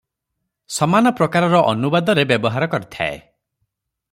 ସମାନ ପ୍ରକାରର ଅନୁବାଦରେ ବ୍ୟବହାର କରିଥାଏ ।